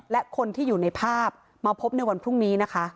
และคนที่อยู่ในภาพมาพบในวันพรุ่งนี้นะคะ